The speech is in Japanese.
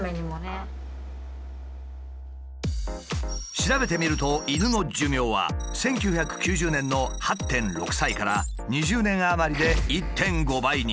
調べてみると犬の寿命は１９９０年の８．６歳から２０年余りで１．５倍に。